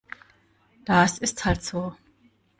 Das ist halt so.